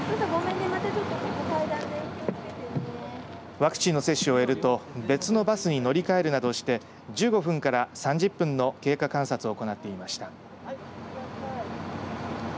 ワクチンの接種を終えると別のバスに乗り換えるなどして１５分から３０分の経過観察を行っていました。